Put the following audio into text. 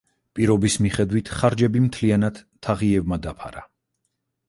პირობის მიხედვით, ხარჯები მთლიანად თაღიევმა დაფარა.